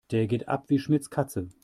Der geht ab wie Schmitz' Katze.